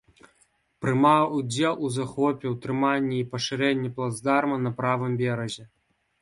Прымаў удзел у захопе, ўтрыманні і пашырэнні плацдарма на правым беразе.